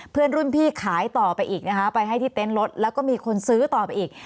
เพื่อนรุ่นพี่ขายต่อไปอีกนะคะไปให้ที่เต็นต์รถแล้วก็มีคนซื้อต่อไปอีก